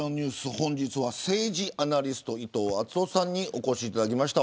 本日は政治アナリストの伊藤惇夫さんにお越しいただきました。